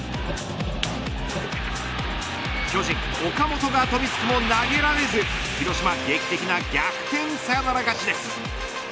巨人、岡本が飛びつくも投げられず広島劇的な逆転サヨナラ勝ちです。